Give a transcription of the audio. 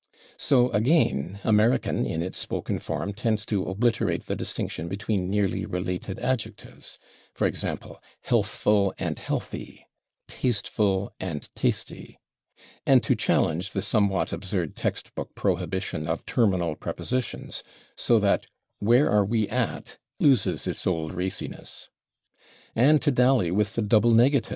So, again, American, in its spoken form, tends to obliterate the distinction between nearly related adjectives, /e. g./, /healthful/ and /healthy/, /tasteful/ and /tasty/. And to challenge the somewhat absurd text book prohibition of terminal prepositions, so that "where are we /at/?" loses its old raciness.